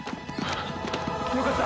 よかった！